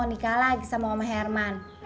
karena emak mau nikah lagi sama om herman